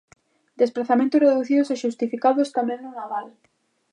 Desprazamentos reducidos e xustificados tamén no Nadal.